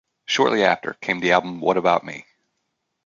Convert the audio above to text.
Shortly after came the album What About Me?